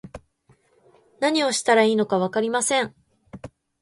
何をしたらいいのかわかりません